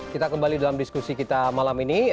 kita kembali dalam diskusi kita malam ini